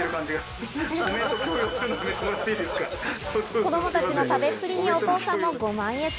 子供たちの食べっぷりにお父さんもご満悦。